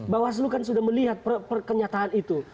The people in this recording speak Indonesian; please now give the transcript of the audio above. bahwa seluruh kan sudah melihat perkenyataan itu